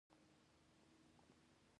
د یولس کسیزې کورنۍ سرپرستي ور له غاړې ده